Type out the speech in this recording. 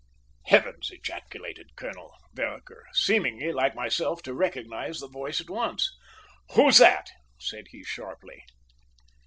"Heavens!" ejaculated Colonel Vereker, seemingly, like myself, to recognise the voice at once, "who's that?" said he sharply.